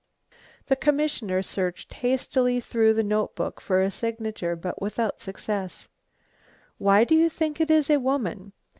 The commissioner searched hastily through the notebook for a signature, but without success. "Why do you think it is a woman?